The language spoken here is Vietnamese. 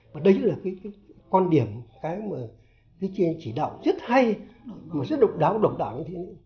và đấy là cái con điểm cái chỉ đạo rất hay rất độc đáo độc đẳng